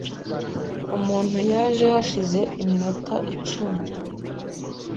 Umuntu yaje hashize iminota icumi .